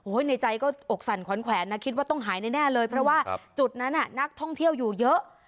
ในใจก็อกสั่นขวัญแขวนนะคิดว่าต้องหายแน่เลยเพราะว่าจุดนั้นนักท่องเที่ยวอยู่เยอะ